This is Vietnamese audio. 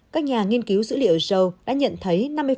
các nhà nghiên cứu dữ liệu rho đã nhận thấy